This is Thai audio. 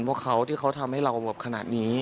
พวกเขาที่เขาทำให้เราขนาดนี้